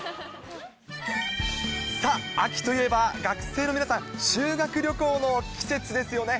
さあ、秋といえば学生の皆さん、修学旅行の季節ですよね。